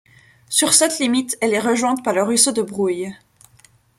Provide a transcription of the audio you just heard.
Sur cette limite, elle est rejointe par le ruisseau de Broye.